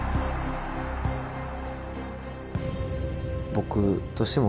僕としても